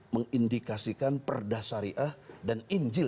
mengindikasikan perdah syariah dan injil